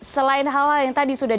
selain hal hal yang tadi sudah